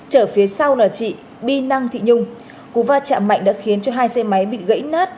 chở phía sau là chị bi năng thị nhung cú va chạm mạnh đã khiến cho hai xe máy bị gãy nát